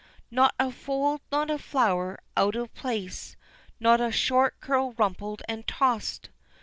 Not a fold, not a flower out of place, Not a short curl rumpled and tossed!